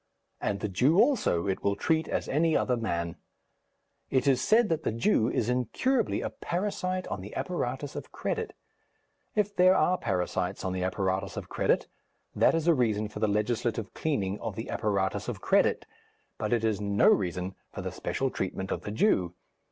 And the Jew also it will treat as any other man. It is said that the Jew is incurably a parasite on the apparatus of credit. If there are parasites on the apparatus of credit, that is a reason for the legislative cleaning of the apparatus of credit, but it is no reason for the special treatment of the Jew.